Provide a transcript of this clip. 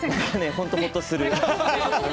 本当に、ほっとする。